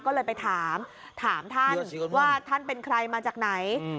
ก็เลยไปถามถามท่านว่าท่านเป็นใครมาจากไหน